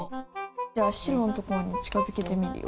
じゃあ白のところに近づけてみるよ。